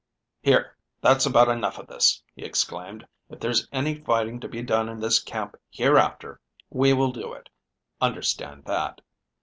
"Here, that's about enough of this," he exclaimed. "If there's any fighting to be done in this camp hereafter, we will do it understand that.